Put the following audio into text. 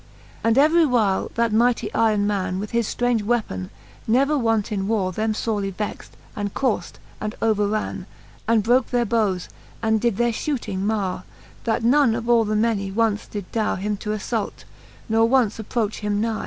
XLIV. And every while that mightie yron man, With his ftrange weapon, never wont in warre, Them forely vext, and courft, and overran. And broke their bowes, and did their fhooting marre. That none of all the many once did darre Him to alTault, nor once approach him nie.